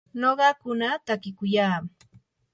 nuqakuna takiykuyaa.